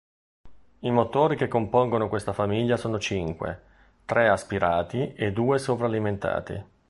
I motori che compongono questa famiglia sono cinque, tre aspirati e due sovralimentati.